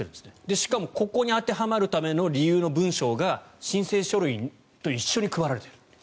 しかもここに当てはまるための文書が申請書類と一緒に配られている。